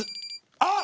あっ！